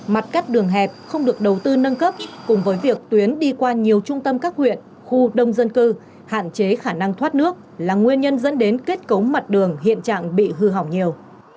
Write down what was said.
mặt cắt đường hẹp không được đầu tư nâng cấp cùng với việc tuyến đi qua nhiều trung tâm các huyện khu đông dân cư hạn chế khả năng thoát nước là nguyên nhân dẫn đến kết cấu mặt đường hiện trạng bị hư hỏng nhiều